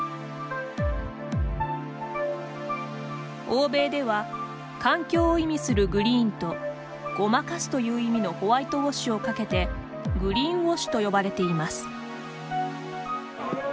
欧米では環境を意味する「Ｇｒｅｅｎ」とごまかすという意味の「Ｗｈｉｔｅｗａｓｈ」をかけて「グリーンウォッシュ」と呼ばれています。